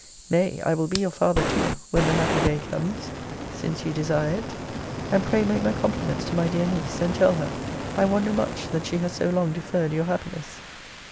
Nay, I will be your father too, when the happy day comes; since you desire it: and pray make my compliments to my dear niece; and tell her, I wonder much that she has so long deferred your happiness.